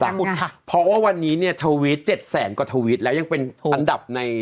สุดค่ะเพราะว่าวันนี้เนี่ยทวิตเจ็ดแสนกว่าทวิตแล้วยังเป็นอันดับใน